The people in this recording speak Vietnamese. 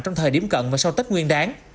trong thời điểm cận và sau tết nguyên đáng